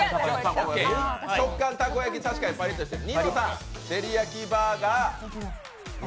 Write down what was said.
食感たこ焼き、確かにパリッとしている。